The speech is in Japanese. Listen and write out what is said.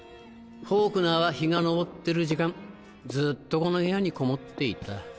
フォークナーは日が昇っている時間ずっとこの部屋にこもっていた。